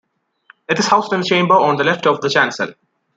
It is housed in a chamber on the left of the chancel.